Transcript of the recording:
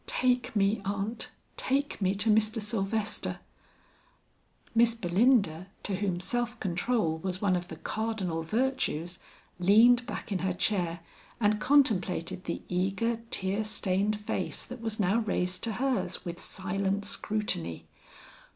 Take me, aunt, take me to Mr. Sylvester." Miss Belinda, to whom self control was one of the cardinal virtues, leaned back in her chair and contemplated the eager, tear stained face that was now raised to hers, with silent scrutiny.